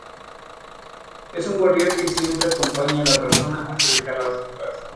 Es un guardián que siempre acompaña a la persona hasta dejarla en su casa.